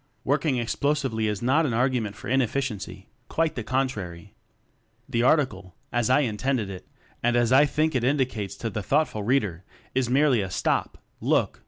"Working Explosively" is not an argument for inefficiency, quite the contrary. The article, as I intended it, and as I think it indicates to the thoughtful reader, is merely a Stop! Look!